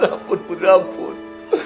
ya ampun putri ya ampun